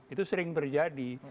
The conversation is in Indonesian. itu sering terjadi